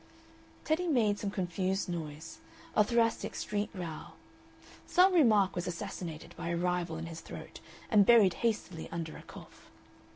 Teddy made some confused noise, a thoracic street row; some remark was assassinated by a rival in his throat and buried hastily under a cough.